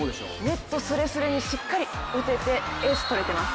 ネットすれすれにしっかり打ててエースを取れています